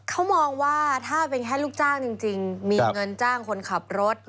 เขามองว่าถ้าเป็นแค่ลูกจ้างจริงมีเงินจ้างคนขับรถ